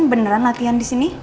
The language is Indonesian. beneran latihan di sini